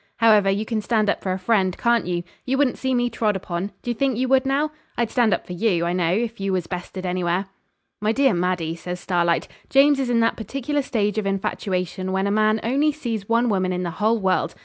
However, you can stand up for a friend, can't you? You wouldn't see me trod upon; d'ye think you would, now? I'd stand up for you, I know, if you was bested anywhere.' 'My dear Maddie,' says Starlight, 'James is in that particular stage of infatuation when a man only sees one woman in the whole world.